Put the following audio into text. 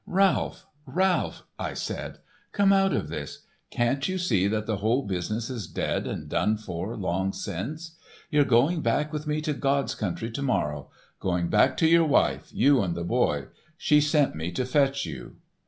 "Ralph, Ralph," I said, "come out of this. Can't you see that the whole business is dead and done for long since? You're going back with me to God's country to morrow—going back to your wife, you and the boy. She sent me to fetch you."